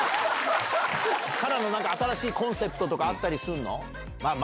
ＫＡＲＡの新しいコンセプトとかあったりするの？